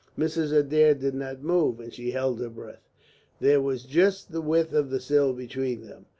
Mrs. Adair did not move, and she held her breath. There was just the width of the sill between them.